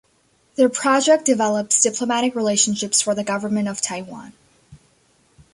The project develops diplomatic relationships for the government of Taiwan.